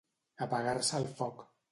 Apagar-se el foc.